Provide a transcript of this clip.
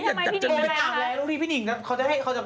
ประมาณให้นี่พี่นิ้งก็จะโทรกับเรา